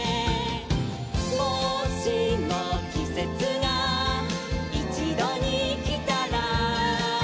「もしもきせつがいちどにきたら」